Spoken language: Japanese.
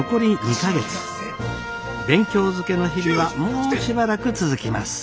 勉強漬けの日々はもうしばらく続きます。